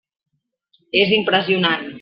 És impressionant.